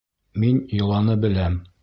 Мин йоланы беләм.